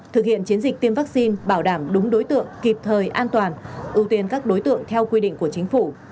thực hiện chiến dịch tiêm vaccine bảo đảm đúng đối tượng kịp thời an toàn ưu tiên các đối tượng theo quy định của chính phủ